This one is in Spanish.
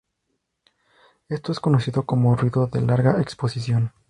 Esto es conocido como ruido de larga exposición.